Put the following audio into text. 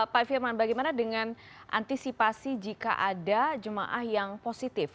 pak firman bagaimana dengan antisipasi jika ada jemaah yang positif